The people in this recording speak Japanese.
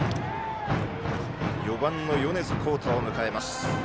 ４番の米津煌太を迎えます。